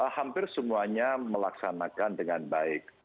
hampir semuanya melaksanakan dengan baik